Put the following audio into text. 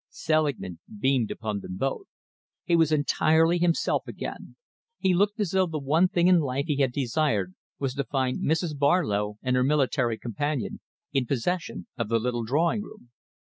Selingman beamed upon them both. He was entirely himself again. He looked as though the one thing in life he had desired was to find Mrs. Barlow and her military companion in possession of the little drawing room.